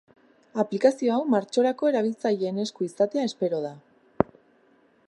Aplikazio hau martxorako erabiltzaileen esku izatea espero da.